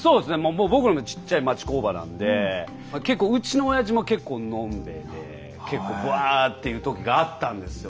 僕のもちっちゃい町工場なんで結構うちのおやじも結構飲んべえで結構ブワーっていうときがあったんですよ。